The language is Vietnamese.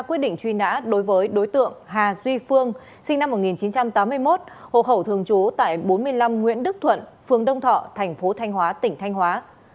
quyết định truy nã đối với đối tượng hà duy phương sinh năm một nghìn chín trăm tám mươi một hộ khẩu thường trú tại bốn mươi năm nguyễn đức thuận phường đông thọ thành phố thanh hóa tỉnh thanh hóa